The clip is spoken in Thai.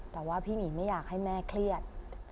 แต่ว่าพี่หมีไม่อยากให้แม่เครียด